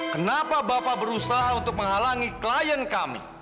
kenapa bapak berusaha untuk menghalangi klien kami